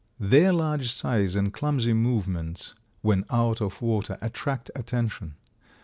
Their large size and clumsy movements, when out of water, attract attention.